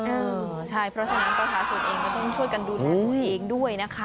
เออใช่เพราะฉะนั้นประชาชนเองก็ต้องช่วยกันดูแลตัวเองด้วยนะคะ